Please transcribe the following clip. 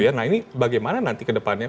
nah ini bagaimana nanti ke depannya